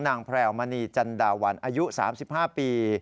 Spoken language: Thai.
แพรวมณีจันดาวันอายุ๓๕ปี